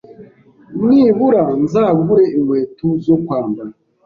nibura nzagure inkweto zo kwambara